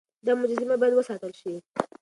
دا مجسمه بايد وساتل شي.